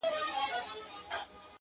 رنگ په رنگ خوږې میوې او خوراکونه-